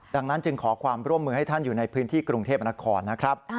ดังนั้นจึงขอความร่วมมือให้ท่านอยู่ในพื้นที่กรุงเทพนครนะครับ